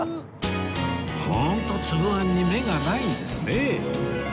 ホント粒あんに目がないんですね